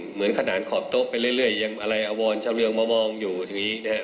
เหมือนขนาดขอบโต๊ะไปเรื่อยยังอะไรอวรชาวเรืองมามองอยู่อย่างนี้นะครับ